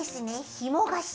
ひもがした。